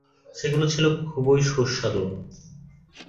সেগুলো ছিল খুবই সুস্বাদু।